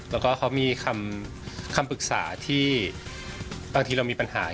แล้วก็เขามีคำปรึกษาที่บางทีเรามีปัญหา